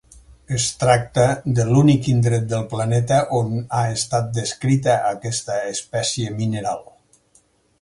Es tracta de l'únic indret del planeta on ha estat descrita aquesta espècie mineral.